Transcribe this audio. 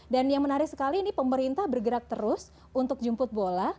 dan yang menarik sekali ini pemerintah bergerak terus untuk jemput bola